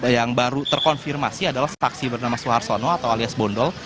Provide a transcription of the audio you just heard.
yang baru terkonfirmasi adalah saksi bernama suhartono atau alias bondol